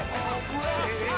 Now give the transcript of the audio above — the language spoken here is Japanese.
えっ！